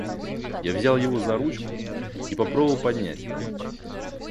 Я взял его за ручку и попробовал поднять.